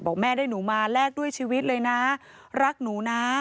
แม่ได้หนูมาแลกด้วยชีวิตเลยนะรักหนูนะ